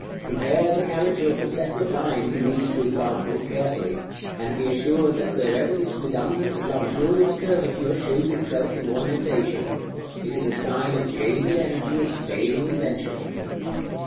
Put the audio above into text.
Compare the character of the separate lines in these two examples carefully, and be assured that wherever this redundant and luxurious curvature shows itself in ornamentation, it is a sign of jaded energy and failing invention.